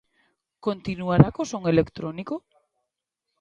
Continuará co son electrónico?